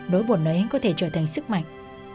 đối buồn đấy có thể trở thành sức mạnh